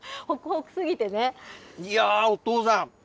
いやー、お父さん。